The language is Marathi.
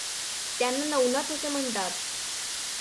त्यांना नवनाथ असे म्हणतात.